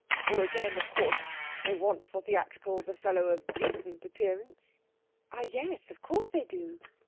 Or again, of course, they want for theatricals a fellow of decent appearance.' 'Ah, yes; of course they do.'